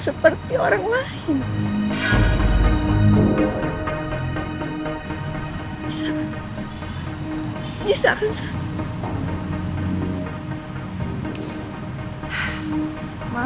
suara koknya biasa ma